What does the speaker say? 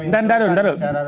dan darun darun